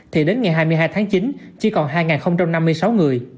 thì đến ngày hai mươi hai tháng chín chỉ còn hai năm mươi sáu người